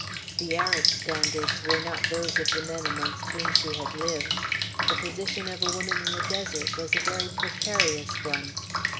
The Arab standards were not those of the men amongst whom she had lived. The position of a woman in the desert was a very precarious one.